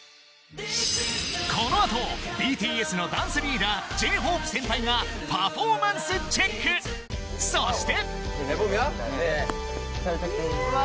この後 ＢＴＳ のダンスリーダー Ｊ−ＨＯＰＥ 先輩がパフォーマンスチェックそして